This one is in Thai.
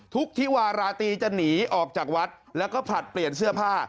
ที่วาราตรีจะหนีออกจากวัดแล้วก็ผลัดเปลี่ยนเสื้อผ้า